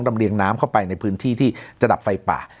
เรียงน้ำเข้าไปในพื้นที่ที่จะดับไฟป่า